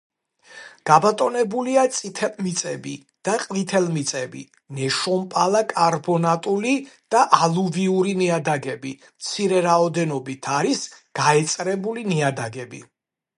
გაბატონებულია წითელმიწები და ყვითელმიწები, ნეშომპალა-კარბონატული და ალუვიური ნიადაგები, მცირე რაოდენობით არის გაეწრებული ნიადაგები.